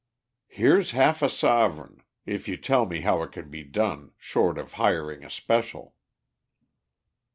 "Here's half a sovereign, if you tell me how it can be done, short of hiring a special."